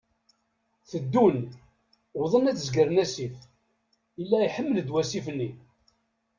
Teddun, wḍen ad zegren asif, yella iḥmel-d wasif-nni.